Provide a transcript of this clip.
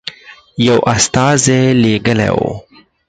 یو استازی لېږلی وو.